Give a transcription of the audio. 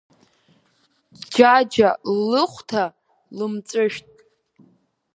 Џьаџьа ллыхәҭа, лымҵәышә…